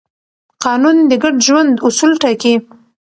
قانون د ګډ ژوند اصول ټاکي.